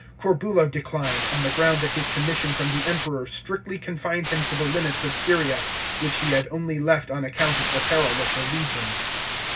Corbulo declined, on the ground that his commission irom the Emperor strictly confined him to the limits of Syria, which he had only left on account of the peril of the legions.